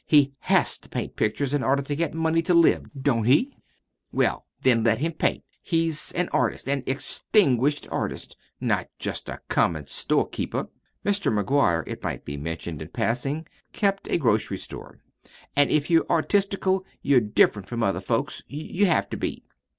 "He HAS to paint pictures in order to get money to live, don't he? Well, then, let him paint. He's an artist an extinguished artist not just a common storekeeper." (Mr. McGuire, it might be mentioned in passing, kept a grocery store.) "An' if you're artistical, you're different from other folks. You have to be."